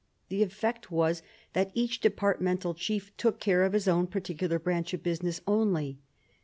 The effect was that each departmental chief took care of his own particular branch of business only.